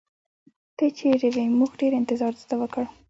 ته چېرته وې؟ موږ ډېر انتظار درته وکړ.